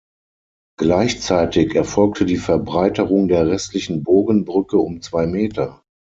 Gleichzeitig erfolgte die Verbreiterung der restlichen Bogenbrücke um zwei Meter.